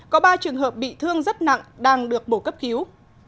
có ba trường hợp bị thương rất nặng đang được bổ cấp cứu